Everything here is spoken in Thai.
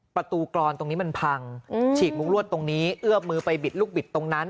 กรอนตรงนี้มันพังฉีกมุ้งลวดตรงนี้เอื้อมือไปบิดลูกบิดตรงนั้น